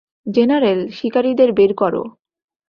General, শিকারীদের বের করো।